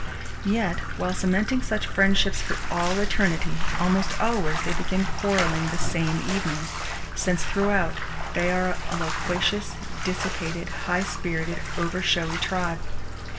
Yet, while cementing such friendships for all eternity, almost always they begin quarrelling the same evening, since, throughout, they are a loquacious, dissipated, high spirited, over showy tribe.